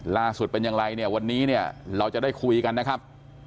ล่าสุดเป็นอย่างไรเนี่ยวันนี้เนี่ยเราจะได้คุยกันนะครับ